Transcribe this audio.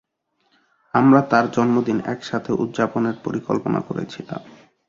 আমরা তার জন্মদিন একসাথে উদযাপনের পরিকল্পনা করেছিলাম।